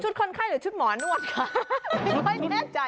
คนไข้หรือชุดหมอนวดคะ